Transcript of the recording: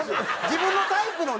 自分のタイプのね。